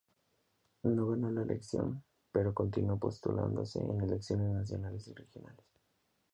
No ganó la elección, pero continuó postulándose en elecciones nacionales y regionales.